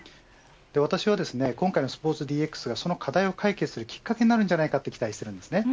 私は今回のスポーツＤＸはこの課題を解決するきっかけになると期待してます。